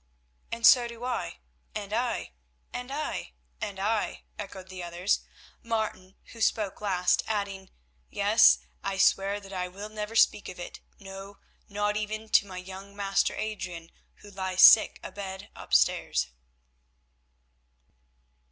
"And so do I." "And I." "And I." "And I," echoed the others, Martin, who spoke last, adding, "Yes, I swear that I will never speak of it; no, _not even to my young master, Adrian, who lies sick abed upstairs.